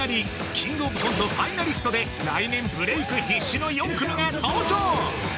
キングオブコントファイナリストで来年ブレイク必至の４組が登場！